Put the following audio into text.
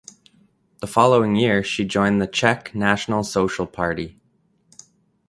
The following year she joined the Czech National Social Party.